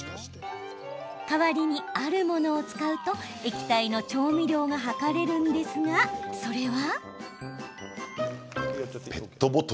代わりにあるものを使うと液体の調味料が量れるんですがそれは。